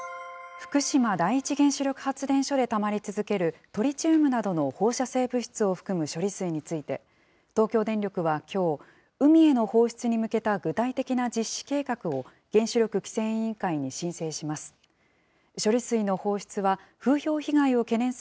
福島第一原子力発電所でたまり続けるトリチウムなどの放射性物質を含む処理水について、東京電力はきょう、海への放出に向けた具体的な実施計画を、原子力規制委員会に申請します。